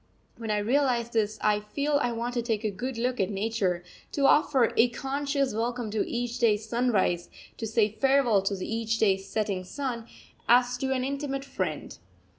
When I realise this I feel I want to take a good look at nature, to offer a conscious welcome to each day's sunrise, to say farewell to each day's setting sun, as to an intimate friend.